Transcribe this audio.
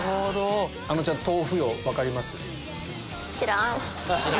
あのちゃん豆腐よう分かります？